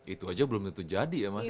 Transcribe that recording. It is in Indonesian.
itu aja belum tentu jadi ya mas